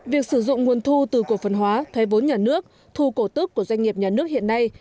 việc sử dụng nguồn thu từ cổ phần hóa thuê vốn nhà nước thu cổ tức của doanh nghiệp nhà nước hiện nay